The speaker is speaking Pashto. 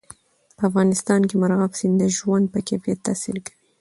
په افغانستان کې مورغاب سیند د ژوند په کیفیت تاثیر کوي.